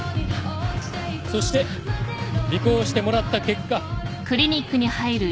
そして尾行してもらった結果。